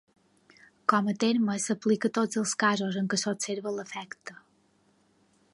Com a terme, s'aplica a tots els casos en què s'observa l'efecte.